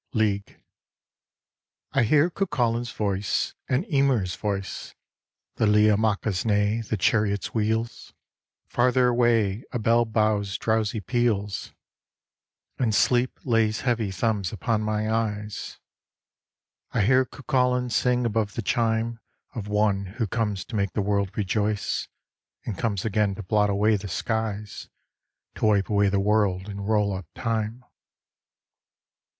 LEAG " I hear Cuchulain's voice, and Emer's voice, The Lia Macha's neigh, the chariot's wheels, 124 THE DEATH OF LEAG 135 Farther away a bell bough's drowsy peals ; And sleep lays heavy thumbs upon my eyes. I hear Cuchulain sing above the chime Of One Who comes to make the world rejoice, And comes again to blot away the skies, To wipe away the world and roll up Time."